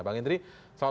bang hendri selamat malam